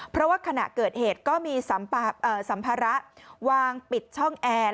เพราะว่าขณะเกิดเหตุก็มีสัมภาระวางปิดช่องแอร์